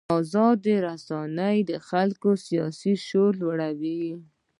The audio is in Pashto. ازادې رسنۍ د خلکو سیاسي شعور لوړوي.